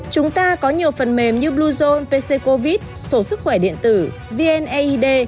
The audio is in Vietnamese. chúng ta có nhiều phần mềm như bluezone pccovid sổ sức khỏe điện tử vnaid